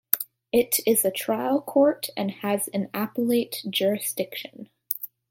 It is a trial court and has an appellate jurisdiction.